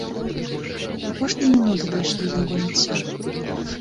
Апошнія мінуты прыйшлі майго жыцця.